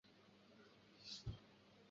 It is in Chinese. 不过这种方法的应用并不广泛。